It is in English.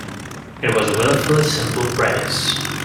It was a wilfully simple premise.